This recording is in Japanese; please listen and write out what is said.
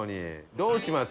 どうします？